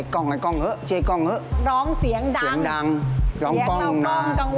ค่ะครับค่ะ